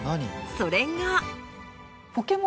それが。